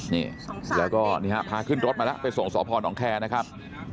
นี่แล้วก็นี่ฮะพาขึ้นรถมาแล้วไปส่งสพนแคร์นะครับ